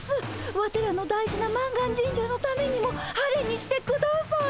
ワテらの大事な満願神社のためにも晴れにしてください。